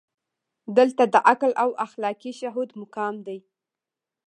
دلته د تعقل او اخلاقي شهود مقام دی.